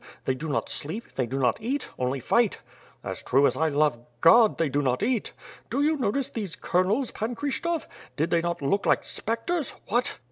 They do not sleep, they do not eat, only fight. As true as I love God, they do not eat. Did you notice those Colonels, Pan Kryshtof? Did they not look like spectres? What?"